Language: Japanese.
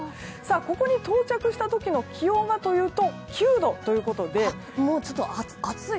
ここに到着した時の気温はというと９度ということで。